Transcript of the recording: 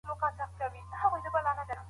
درمل وسیله ده.